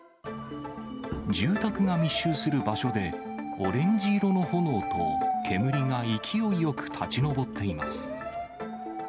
住宅が密集する場所で、オレンジ色の炎と煙が勢いよく立ち上っています。